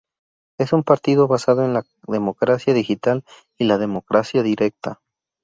Es un partido basado en la democracia digital y la democracia directa.